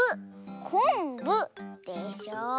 「こんぶ」でしょ。